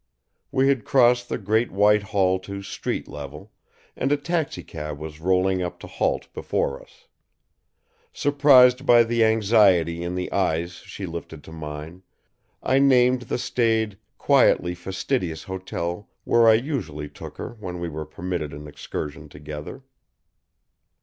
We had crossed the great white hall to street level, and a taxicab was rolling up to halt before us. Surprised by the anxiety in the eyes she lifted to mine, I named the staid, quietly fastidious hotel where I usually took her when we were permitted an excursion together.